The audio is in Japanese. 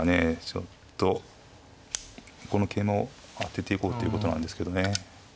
ちょっとこの桂馬を当てていこうということなんですけどね。